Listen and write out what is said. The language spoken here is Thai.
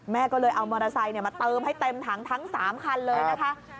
แม่ก็เลยเอามอเตอร์ไซค์มาเติมให้เต็มถังทั้ง๓คันเลยนะคะ